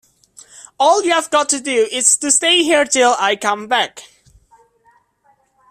All you’ve got to do is to stay here till I come back.